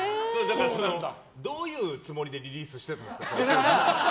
どういうつもりでリリースしたんですか？